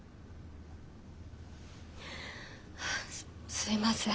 すいません。